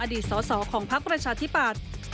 สอสอของพักประชาธิปัตย์